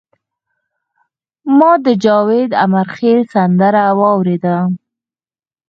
ما د جاوید امیرخیل سندره واوریده.